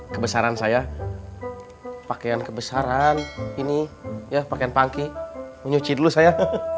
kebesaran saya pakaian kebesaran ini ya pakaian pangki menyuci dulu saya